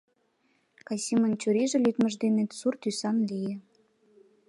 Касимын чурийже лӱдмыж дене сур тӱсан лие.